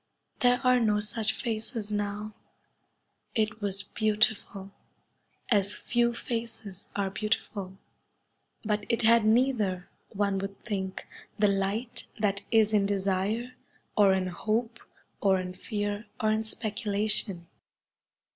There are no such faces now. It was beautiful, as few faces are beautiful, but it had neither, one would think, the light that is in desire or in hope or in fear or in speculation.